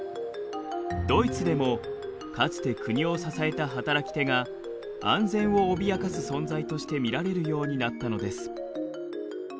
ドイツでもかつて国を支えた働き手が安全を脅かす存在として見られるようになったのです。